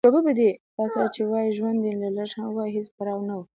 تاسره چې وای ژوند دې لږ هم وای هېڅ پرواه نه وه